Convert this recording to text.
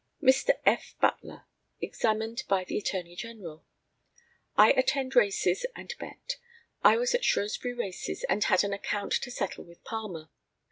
Mr. F. BUTLER examined by the ATTORNEY GENERAL: I attend races, and bet. I was at Shrewsbury races, and had an account to settle with Palmer.